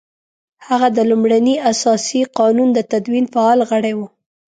هغه د لومړني اساسي قانون د تدوین فعال غړی وو.